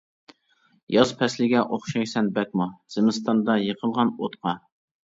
ياز پەسلىگە ئوخشايسەن بەكمۇ، زىمىستاندا يېقىلغان ئوتقا.